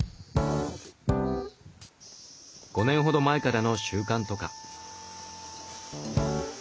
５年ほど前からの習慣とか。